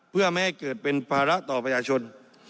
เพื่อไม่ให้เกิดเป็นภาระต่อประชาชน